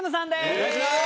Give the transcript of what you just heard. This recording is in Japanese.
お願いします！